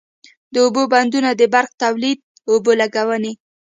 د اوبو بندونه د برق تولید، اوبو لګونی،